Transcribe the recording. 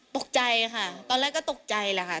ตกใจค่ะตอนแรกก็ตกใจแหละค่ะ